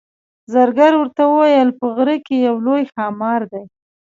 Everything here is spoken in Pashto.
زرګر ورته وویل په غره کې یو لوی ښامار دی.